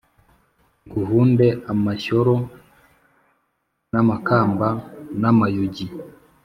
Nguhunde amashyoro n’amakamba, namayugi